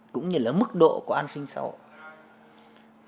cũng như là mức độ của an sinh xã hội